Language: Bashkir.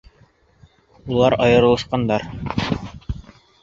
Улар айырылышҡандар.